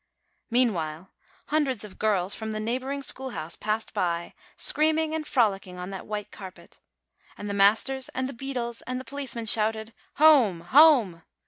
Meanwhile, hundreds of girls from the neighboring schoolhouse passed by, screaming and frolicking on that white carpet, And the masters and the beadles and the policemen shouted, "Home! home!"